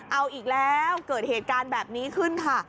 เอาอีกแล้วเกิดเหตุการณ์แบบนี้ขึ้นค่ะ